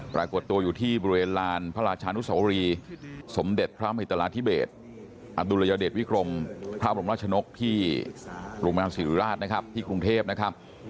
ปรากฏตัวอยู่ที่บริเวณลานพระราชานุสวรีสมเด็จพระมหิตราธิเบศอดุลยเดชวิกรมพระบรมราชนกที่โรงพยาบาลศิริราชนะครับที่กรุงเทพนะครับ